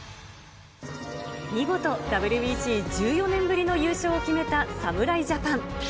見事、ＷＢＣ１４年ぶりの優勝を決めた侍ジャパン。